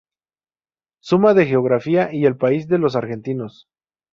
Suma de Geografía" y "El País de los Argentinos".